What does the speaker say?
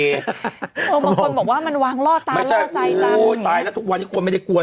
อ๋อบางคนบอกว่ามันวางล่อตาล่อใจจังไม่ใช่โอ้ยตายแล้วทุกวันนี้กลัวไม่ได้กลัว